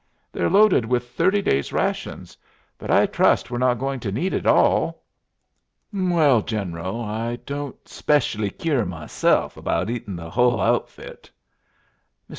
They're loaded with thirty days' rations, but I trust we're not going to need it all." "Mwell, General, I don't specially kyeer meself 'bout eatin' the hull outfit." Mr.